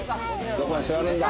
どこに座るんだ？